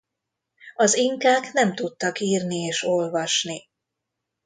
Az inkák nem tudtak írni és olvasni.